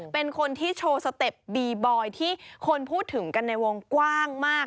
เป็นคนที่โชว์สเต็ปบีบอยที่คนพูดถึงกันในวงกว้างมาก